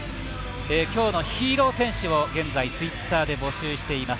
きょうのヒーロー選手を現在ツイッターで募集しています。